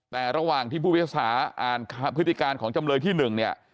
แต่ระหว่างที่ผู้พิพากษาอ่านพฤติการของจำเลยที่๑เนี่ย